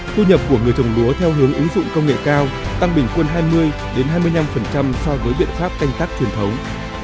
thu nhập của người trồng lúa theo hướng ứng dụng công nghệ cao tăng bình quân hai mươi hai mươi năm so với biện pháp canh tác truyền thống